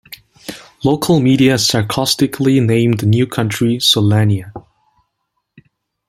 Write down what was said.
Local media sarcastically named the new country "Solania".